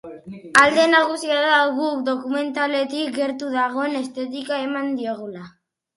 Alde nagusia da guk dokumentaletik gertu dagoen estetika eman diogula.